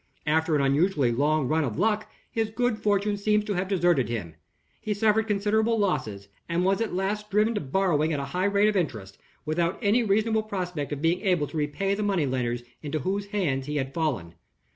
After an unusually long run of luck, his good fortune seems to have deserted him. He suffered considerable losses, and was at last driven to borrowing at a high rate of interest, without any reasonable prospect of being able to repay the money lenders into whose hands he had fallen.